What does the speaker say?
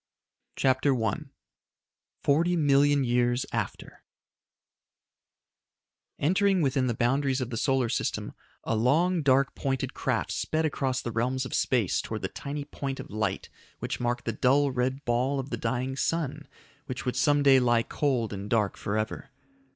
CHAPTER I 40,000,000 Years After Entering within the boundaries of the solar system, a long, dark, pointed craft sped across the realms of space towards the tiny point of light which marked the dull red ball of the dying sun which would some day lie cold and dark forever.